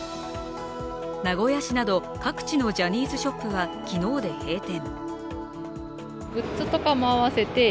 名古屋市など各地のジャニーズショップは昨日で閉店。